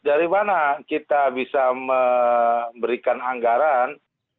dari mana kita bisa memberikan anggaran